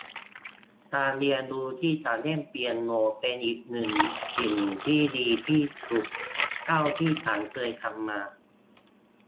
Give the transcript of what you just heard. การเรียนรู้ที่จะเล่นเปียโนเป็นอีกหนึ่งสิ่งที่ดีที่สุดเท่าที่ฉันเคยทำมา